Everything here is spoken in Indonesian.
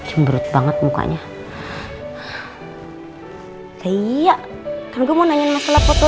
iya kan gue mau nanya masalah foto